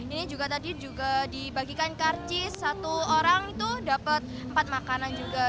ini juga tadi juga dibagikan karcis satu orang itu dapat empat makanan juga